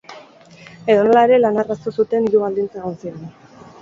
Edonola ere, lana erraztu zuten hiru baldintza egon ziren.